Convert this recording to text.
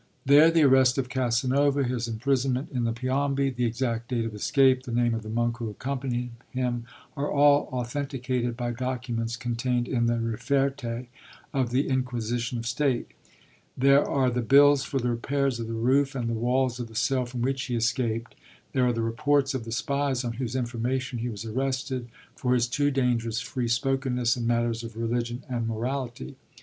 There the arrest of Casanova, his imprisonment in the Piombi, the exact date of escape, the name of the monk who accompanied him, are all authenticated by documents contained in the riferte of the Inquisition of State; there are the bills for the repairs of the roof and walls of the cell from which he escaped; there are the reports of the spies on whose information he was arrested, for his too dangerous free spokenness in matters of religion and morality.